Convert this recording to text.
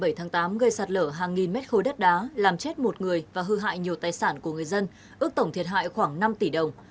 mưa lớn xảy ra ngày bảy tháng tám gây sát lở hàng nghìn mét khối đất đá làm chết một người và hư hại nhiều tài sản của người dân ước tổng thiệt hại khoảng năm tỷ đồng